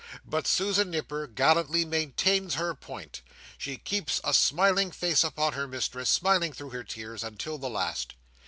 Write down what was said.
But Susan Nipper gallantly maintains her point. She keeps a smiling face upon her mistress, smiling through her tears, until the last.